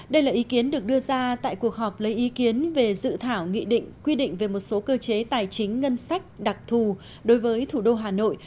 đây là ý kiến được đưa ra tại cuộc họp lấy ý kiến về dự thảo nghị định quy định về một số cơ chế tài chính ngân sách đặc thù đối với thủ đô hà nội